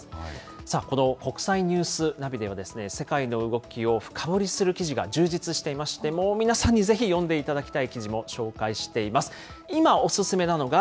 さあ、この国際ニュースナビでは、世界の動きを深掘りする記事が充実していまして、もう皆さんにぜひ読んでいただきたい記事も紹介しています。